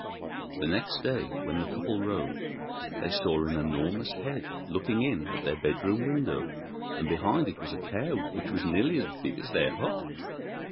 The next day, when the couple rose, they saw an enormous head looking in at their bedroom window, and behind it was a cow which was nearly as big as their hut.